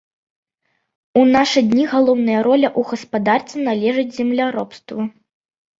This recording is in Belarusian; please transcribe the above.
У нашы дні галоўная роля ў гаспадарцы належыць земляробству.